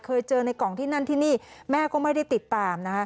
เคยเจอในกล่องที่นั่นที่นี่แม่ก็ไม่ได้ติดตามนะคะ